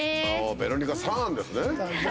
ベロニカさーんですね。